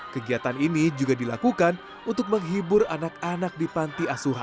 kegiatan ini juga dilakukan untuk menghibur anak anak di panti asuhan